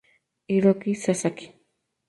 Hiroki Sasaki